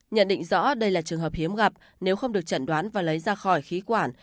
nhận định rõ đây là trường hợp hiếm gặp nếu không được chẩn đoán và lấy ra khỏi khí quản